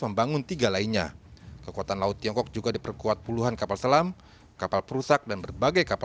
eh belum amat lagi